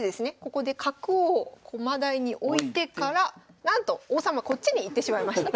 ここで角を駒台に置いてからなんと王様こっちに行ってしまいました。